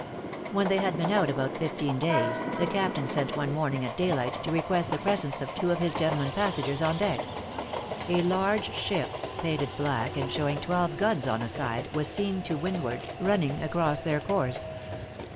When they had been out about fifteen days, the captain sent one morning at daylight, to request the presence of two of his gentlemen passengers on deck. A large ship, painted black and showing twelve guns on a side, was seen to windward, running across their course.